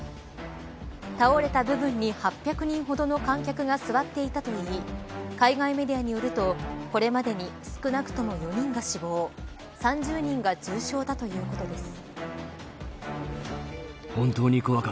倒れた部分に８００人ほどの観客が座っていたといい海外メディアによるとこれまでに少なくとも４人が死亡３０人が重傷だということです。